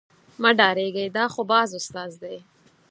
مه ډارېږئ دا خو باز استاد دی.